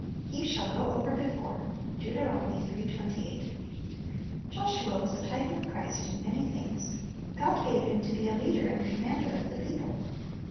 "He shall go over before." — Deut. iii. 28. T OSHUA was a type of Christ in many I things. God gave him to be "a leader and commander of the people.